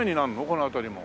この辺りも。